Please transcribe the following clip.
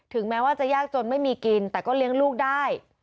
แม้ว่าจะยากจนไม่มีกินแต่ก็เลี้ยงลูกได้